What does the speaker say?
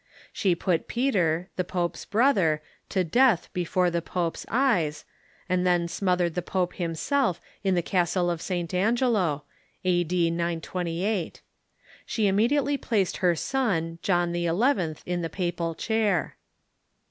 She put Peter, the j^ope's brother, to death before the pope's eyes, and then smothered the pope himself in th^ castle of St. Angelo (a.d. 928). She immediately placed her son John XI. in the papal chair.